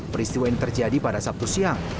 peristiwa ini terjadi pada sabtu siang